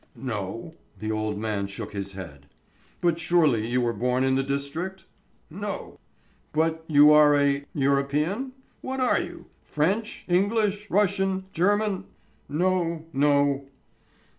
"No." The old man shook his head. "But surely you were born in the district?" "No." "But you are a European? What are you, French? English? Russian? German?" "No, no...."